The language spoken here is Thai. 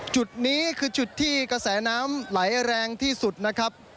จุดนี้คือจุดที่กระแสน้ำไหลแรงที่สุดนะครับ